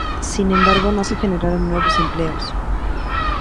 Sin embargo, no se generaron nuevos empleos.